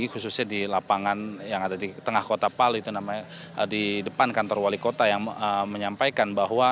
khususnya di lapangan yang ada di tengah kota palu itu namanya di depan kantor wali kota yang menyampaikan bahwa